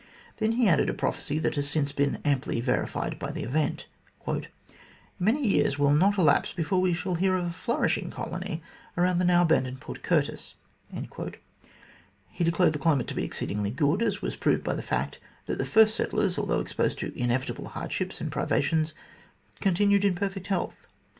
Then he added a prophecy, that has since been amply verified by the event : "Many years will not elapse before we shall hear of a nourishing colony around the now abandoned Port Curtis." He declared the climate to be exceedingly good, as was proved by the fact that the first settlers, although exposed to inevitable hardships and privations, continued in perfect health.